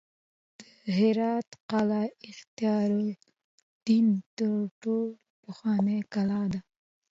د هرات قلعه اختیارالدین تر ټولو پخوانۍ کلا ده